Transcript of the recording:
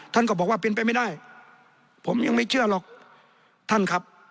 ท่านก็บอกว่าเป็นไปไม่ได้ผมยังไม่เชื่อหรอกท่านครับ